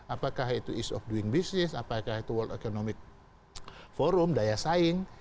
apakah itu ease of doing business apakah itu world economic forum daya saing